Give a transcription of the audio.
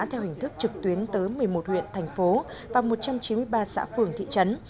theo hình thức trực tuyến tới một mươi một huyện thành phố và một trăm chín mươi ba xã phường thị trấn